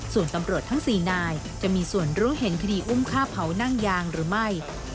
ส่วนตำรวจทั้ง๔นายจะมีส่วนรู้เห็นคดีอุ้มฆ่าเผานั่งยางหรือไม่